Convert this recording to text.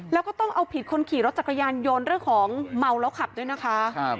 แล้วก็ต้องเอาผิดคนขี่รถจักรยานยนต์เรื่องของเมาแล้วขับด้วยนะคะ